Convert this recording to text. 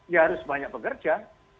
ya harus banyak bekerja